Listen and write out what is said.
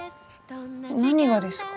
何がですか？